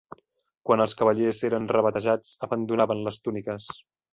Quan els cavallers eren rebatejats, abandonaven les túniques.